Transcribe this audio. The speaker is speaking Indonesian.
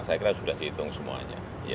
saya kira sudah dihitung semuanya